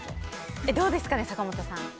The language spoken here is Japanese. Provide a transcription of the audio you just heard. どうですかね、坂本さん。